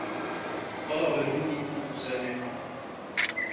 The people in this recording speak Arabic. طلب منّي أن أسامحه.